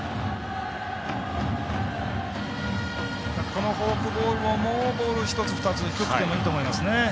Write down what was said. このフォークボールももうボール１つ、２つ低くてもいいと思いますね。